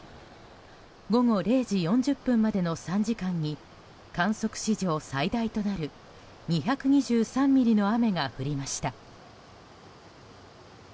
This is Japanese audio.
午後０時４０分までの３時間に観測史上最大となる２２３ミリの雨が降りました。